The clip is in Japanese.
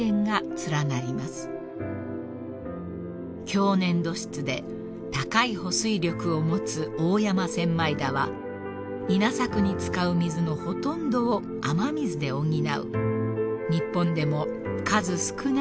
［強粘土質で高い保水力を持つ大山千枚田は稲作に使う水のほとんどを雨水で補う日本でも数少ない場所］